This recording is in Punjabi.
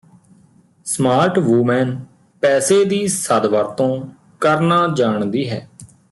ਸਮਾਰਟ ਵੂਮੈਨ ਪੈਸੇ ਦੀ ਸਦਵਰਤੋਂ ਕਰਨਾ ਜਾਣਦੀ ਹੈ